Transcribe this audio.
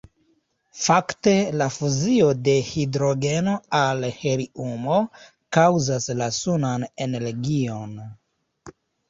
Fakte, la fuzio de hidrogeno al heliumo kaŭzas la sunan energion.